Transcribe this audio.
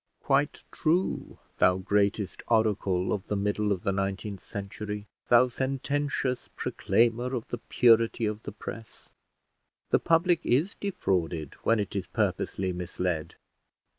Quite true, thou greatest oracle of the middle of the nineteenth century, thou sententious proclaimer of the purity of the press; the public is defrauded when it is purposely misled.